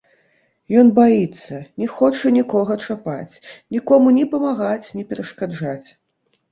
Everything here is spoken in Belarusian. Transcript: Ён баіцца, не хоча нікога чапаць, нікому ні памагаць, ні перашкаджаць.